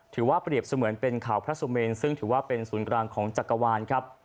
ถือว่าเปรียบเสมือนเป็นข่าวพระสุเมนซึ่งถือว่าเป็นศูนย์กลางของจักรวาลครับ